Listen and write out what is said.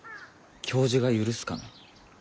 教授が許すかな？